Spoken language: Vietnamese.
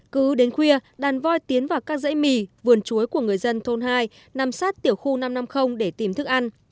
cứ đến khuya đàn voi tiến vào các dãy mì vườn chuối của người dân thôn hai nằm sát tiểu khu năm trăm năm mươi để tìm thức ăn